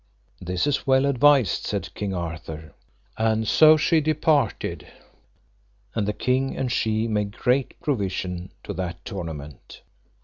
This is well advised, said King Arthur; and so she departed. And the king and she made great provision to that tournament.